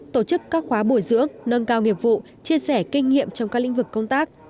tổ chức các khóa bồi dưỡng nâng cao nghiệp vụ chia sẻ kinh nghiệm trong các lĩnh vực công tác